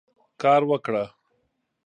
کار وکړه.